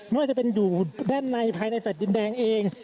ไม่ว่าจะเป็นอยู่ด้านในภายในแฟลตดินแดงเอง